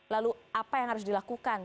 lalu apa yang harus dilakukan